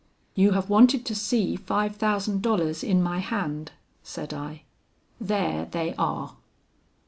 'You have wanted to see five thousand dollars in my hand,' said I; 'there they are.'